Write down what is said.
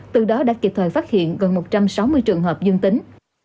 từ đó đã kịp thời phát hiện gần một trăm sáu mươi trường hợp dương tính